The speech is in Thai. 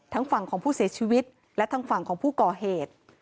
ทั้งฝั่งของผู้เสียชีวิตและทางฝั่งของผู้ก่อเหตุ